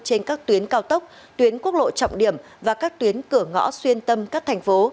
trên các tuyến cao tốc tuyến quốc lộ trọng điểm và các tuyến cửa ngõ xuyên tâm các thành phố